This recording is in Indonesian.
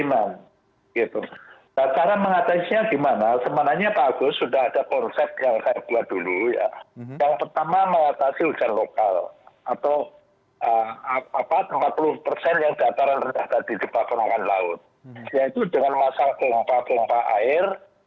masyarakat harus bertanggung jawab juga terhadap banjir